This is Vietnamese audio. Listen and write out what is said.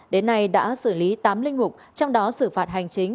đến nay đã xử lý tám linh mục trong đó xử phạt hành chính